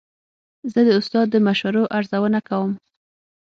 زه د استاد د مشورو ارزونه کوم.